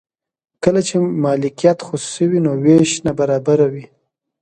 کله چې مالکیت خصوصي وي نو ویش نابرابر وي.